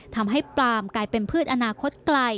ทำให้ปลามกลายเป็นพืชอนาคตไกล